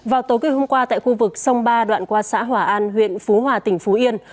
vào tối hôm qua tại khu vực sông ba đoạn qua xã hỏa an huyện phú hòa tỉnh phú yên